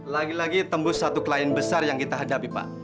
lagi lagi tembus satu klien besar yang kita hadapi pak